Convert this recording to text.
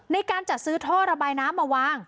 ในการจัดซื้อท่อระบายน้ำมาวาง